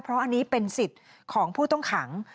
เพราะอันนี้เป็นสิทธิ์ของผู้ต้องขัง